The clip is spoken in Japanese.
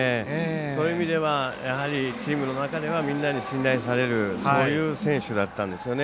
そういう意味ではやはりチームの中ではみんなに信頼されるそういう選手だったんでしょうね。